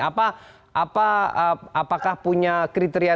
apakah punya kriteria